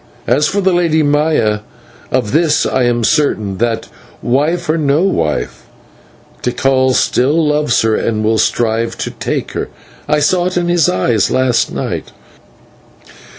As for the Lady Maya, of this I am certain, that wife or no wife Tikal still loves her and will strive to take her; I saw it in his eyes last night.